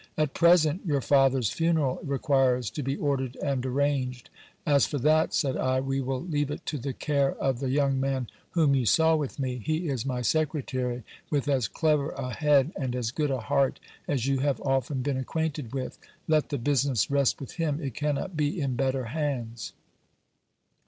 At present, your father's funeral requires to be ordered and arranged. As for that, said I, we will leave it to the care of the young man whom you saw with me ; he is my secretary, with as clever a head and as good a heart as you have often been acquainted with ; let the business rest with him ; it cannot be in better hands.